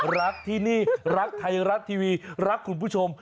รักที่นี่รักไทยรัฐทีวีรักคุณผู้ชม